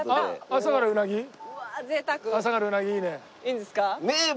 朝からうなぎいいね。